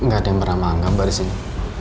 gak ada yang bernama angga baris ini